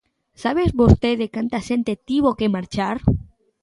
¿Sabe vostede canta xente tivo que marchar?